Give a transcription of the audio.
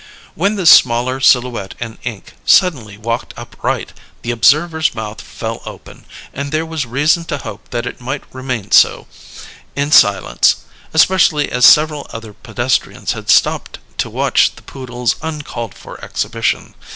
When this smaller silhouette in ink suddenly walked upright, the observer's mouth fell open, and there was reason to hope that it might remain so, in silence, especially as several other pedestrians had stopped to watch the poodle's uncalled for exhibition.